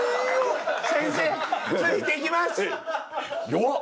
弱っ！